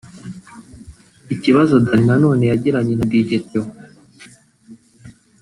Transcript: Ikibazo Danny Nanone yagiranye na Dj Theo